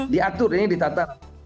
diatur ini ditata